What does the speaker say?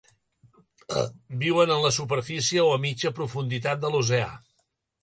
Viuen en la superfície o a mitja profunditat de l'oceà.